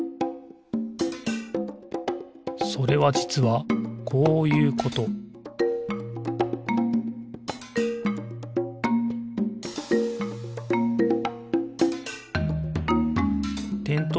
それはじつはこういうことてんとう